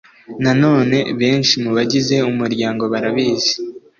nanone benshi mu bagize umuryango barabizi